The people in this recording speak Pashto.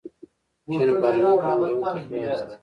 چین بهرنۍ پانګونې ته خلاص دی.